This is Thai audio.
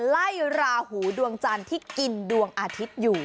ไล่ราหูดวงจันทร์ที่กินดวงอาทิตย์อยู่